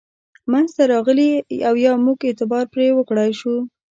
منځته راغلي او یا موږ اعتبار پرې وکړای شو.